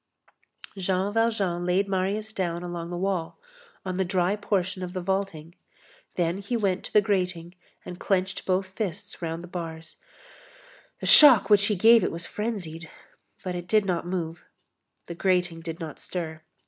Jean Valjean laid Marius down along the wall, on the dry portion of the vaulting, then he went to the grating and clenched both fists round the bars; the shock which he gave it was frenzied, but it did not move. The grating did not stir.